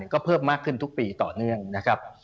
ก็เพิ่มมากขึ้นทุกปีต่อเนื่องนะครับ